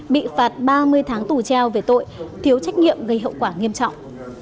bị phạt ba mươi tháng tù treo về tội thiếu trách nhiệm gây hậu quả nghiêm trọng